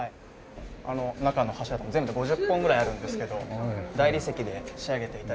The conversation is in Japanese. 中の柱とかも全部で５０本ぐらいあるんですけど大理石で仕上げて頂いて。